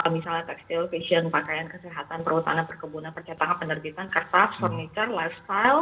misalnya tekstil fashion pakaian kesehatan perhutanan perkebunan percetakan penerbitan kertas furniture lifestyle